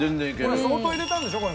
これ相当入れたんでしょ？